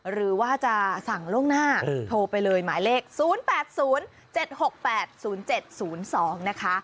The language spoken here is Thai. หรือว่าจะสั่งล่วงหน้าโทรไปเลยหมายเลข๐๘๐๗๖๘๐๗๐๒นะคะ